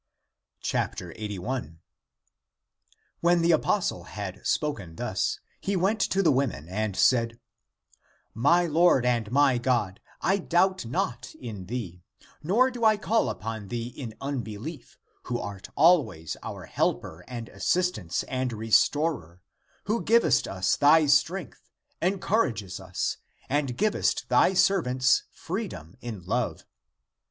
81. When the apostle had spoken thus, he went to the women and said, " My Lord and my God, I doubt not in thee, nor do I call upon thee in unbe lief, who art always our helper and assistance and restorer who givest us thy strength, encouragest us, and givest thy servants freedom in love.